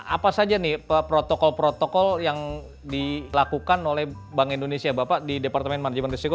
apa saja nih protokol protokol yang dilakukan oleh bank indonesia bapak di departemen manajemen risiko